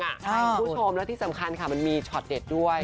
คุณผู้ชมและที่สำคัญค่ะมันมีช็อตเด็ดด้วย